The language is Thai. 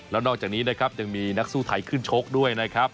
แล้วนอกจากนี้นะครับยังมีนักสู้ไทยขึ้นชกด้วยนะครับ